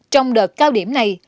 trong đợt cao điểm này